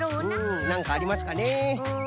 んなんかありますかね。